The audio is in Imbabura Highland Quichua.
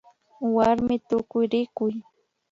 Warmi Tukuyrikuy